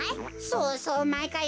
そうそうまいかい